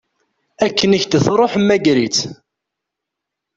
Akken i k-d-tṛuḥ, mmager-itt.